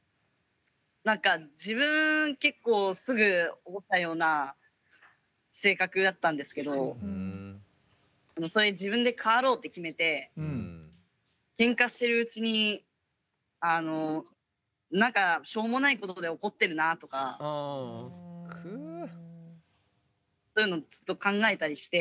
何か自分結構すぐ怒ったような性格だったんですけどそれ自分で変わろうって決めてケンカしてるうちに何かしょうもないことで怒ってるなとかそういうのをちょっと考えたりして。